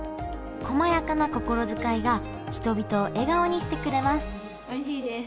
こまやかな心遣いが人々を笑顔にしてくれますおいしいです。